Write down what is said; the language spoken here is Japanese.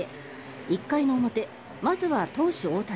１回の表まずは投手・大谷。